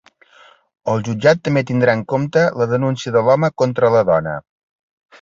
El jutjat també tindrà en compte la denúncia de l’home contra la dona.